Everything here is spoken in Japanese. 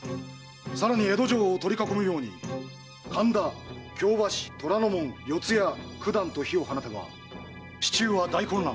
さらに江戸城を取り囲むように神田京橋虎ノ門四谷九段と火を放てば市中は大混乱